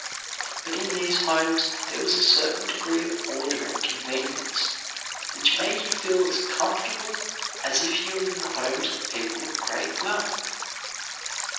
But in these homes there was a certain degree of order and convenience which made you feel as comfortable as if you were in the homes of people of great wealth.